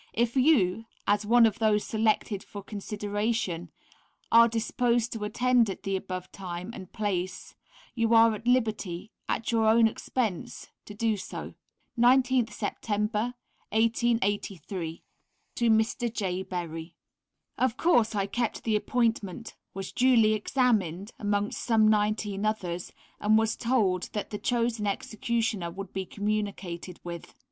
If you (as one of those selected for consideration) are disposed to attend at the above time and place you are at liberty, at your own expense, to do so. 19th September, 1883. To Mr. J. Berry. Of course, I kept the appointment, was duly examined, amongst some nineteen others, and was told that the chosen executioner would be communicated with.